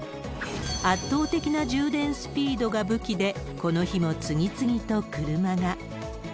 圧倒的な充電スピードが武器で、この日も次々と車が。